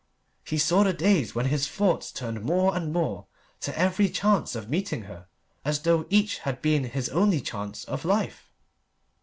He saw the days when his thoughts turned more and more to every chance of meeting her, as though each had been his only chance of life.